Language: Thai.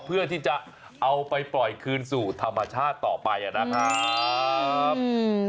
เพื่อที่จะเอาไปปล่อยคืนสู่ธรรมชาติต่อไปนะครับ